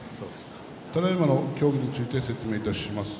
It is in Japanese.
ただいまの協議について説明します。